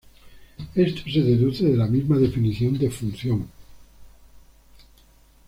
Esto se deduce de la misma definición de función.